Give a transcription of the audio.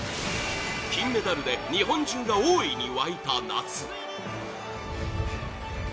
金メダルで日本中が大いに沸いた夏